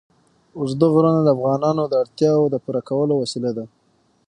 اوږده غرونه د افغانانو د اړتیاوو د پوره کولو وسیله ده.